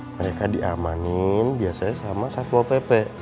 mereka diamanin biasanya sama safi boppe